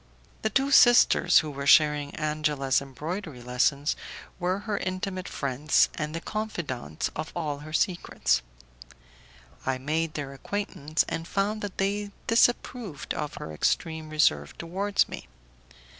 The two sisters who were sharing Angela's embroidery lessons were her intimate friends and the confidantes of all her secrets. I made their acquaintance, and found that they disapproved of her extreme reserve towards me.